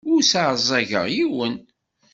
Ur sseɛẓageɣ yiwen.